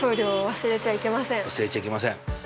忘れちゃいけません。